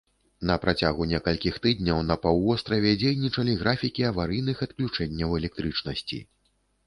На працягу некалькіх тыдняў на паўвостраве дзейнічалі графікі аварыйных адключэнняў электрычнасці.